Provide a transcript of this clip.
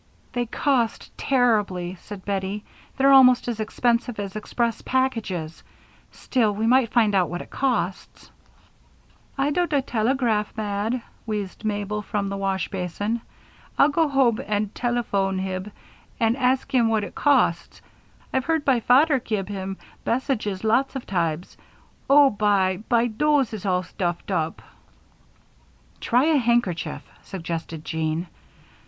"They cost terribly," said Bettie. "They're almost as expensive as express packages. Still, we might find out what it costs." "I dow the telegraph mad," wheezed Mabel from the wash basin. "I'll go hobe ad telephode hib ad ask what it costs I've heard by father give hib bessages lots of tibes. Oh, by, by dose is all stuffed up." "Try a handkerchief," suggested Jean.